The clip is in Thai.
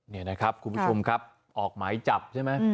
นี่นะครับคุณผู้ชมครับออกหมายจับใช่ไหม